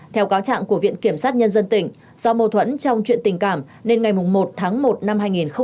theo cáo trạng của viện kiểm sát nhân dân tỉnh do mâu thuẫn trong chuyện tình cảm nên ngày một tháng một năm hai nghìn một mươi chín